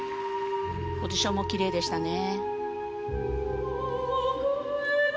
ポジションも奇麗でしたね。